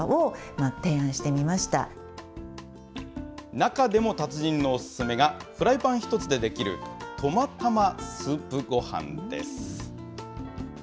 中でも達人のお勧めが、フライパン１つで出来るトマたまスープごはんです。